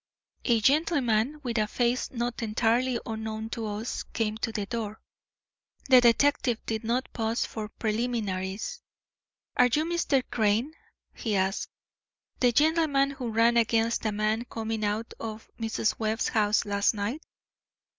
A gentleman with a face not entirely unknown to us came to the door. The detective did not pause for preliminaries. "Are you Mr. Crane?" he asked, "the gentleman who ran against a man coming out of Mrs. Webb's house last night?"